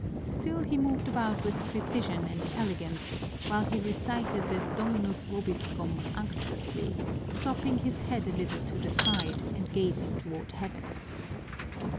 Still he moved about with precision and elegance while he recited the Dominus vobiscum unctuously, dropping his head a little to the side and gazing toward heaven.